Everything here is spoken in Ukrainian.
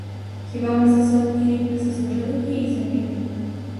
Хіба ми за сотні рік не заслужили тієї землі.